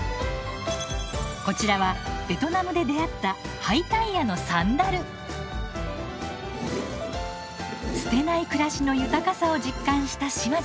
こちらはベトナムで出会った捨てない暮らしの豊かさを実感した島津さん。